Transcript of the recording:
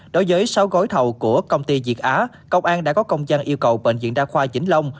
đối với sáu gói thầu của công ty việt á công an đã có công dân yêu cầu bệnh viện đa khoa vĩnh long